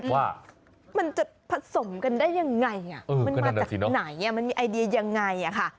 ว่ามันจะผสมกันได้ยังไงมันมาจากไหนมันมีไอเดียยังไงค่ะ